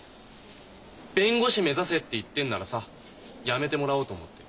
「弁護士目指せ」って言ってんならさやめてもらおうと思って。